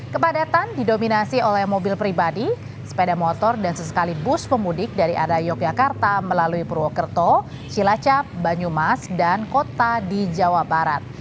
kepadatan didominasi oleh mobil pribadi sepeda motor dan sesekali bus pemudik dari arah yogyakarta melalui purwokerto cilacap banyumas dan kota di jawa barat